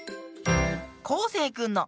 こうせいくんの。